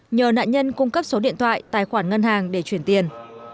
nhờ nạn nhân cung cấp số điện thoại tài khoản ngân hàng để chuyển tiền